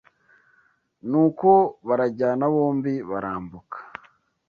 Nuko barajyana bombi barambuka